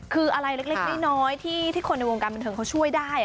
คืออะไรเล็กน้อยที่คนในวงการบันเทิงเขาช่วยได้